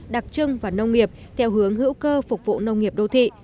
đặc trưng và nông nghiệp theo hướng hữu cơ phục vụ nông nghiệp đô thị